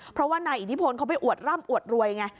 เพราะว่านายอิทธิพลเขาไปอวดร่ำอวดรวยไง